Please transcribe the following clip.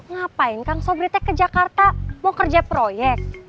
ngapain kang sobri teh ke jakarta mau kerja proyek